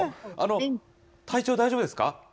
体調大丈夫ですか。